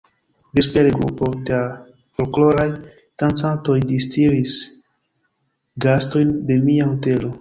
Vespere grupo da folkloraj dancantoj distris gastojn de mia hotelo.